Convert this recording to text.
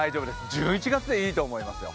１１月でいいと思いますよ。